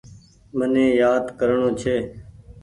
مني يآد ڪرڻو ڇي۔